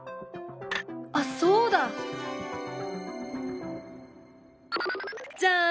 あっそうだ！じゃん！